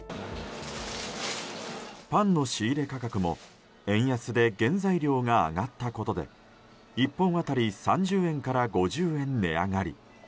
パンの仕入れ価格も円安で原材料が上がったことで１本当たり３０円から５０円値上がり。